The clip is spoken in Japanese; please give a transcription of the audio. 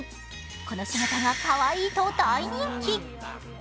この姿がかわいいと大人気。